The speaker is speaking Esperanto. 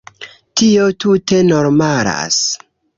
Tio tute normalas.